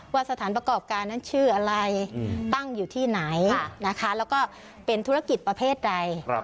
สถานประกอบการนั้นชื่ออะไรตั้งอยู่ที่ไหนนะคะแล้วก็เป็นธุรกิจประเภทใด